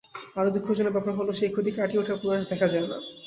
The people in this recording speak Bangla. আরও দুঃখজনক ব্যাপার হলো, সেই ক্ষতি কাটিয়ে ওঠার প্রয়াস দেখা যায় না।